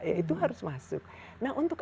e itu harus masuk nah untuk